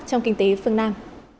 trong kinh tế phương nam